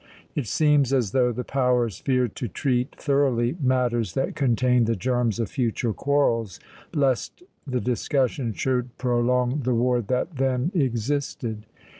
It seems as though the powers feared to treat thoroughly matters that contained the germs of future quarrels, lest the discussion should prolong the war that then existed.